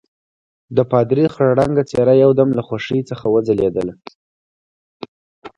د پادري خړ رنګه څېره یو دم له خوښۍ څخه وځلېدله.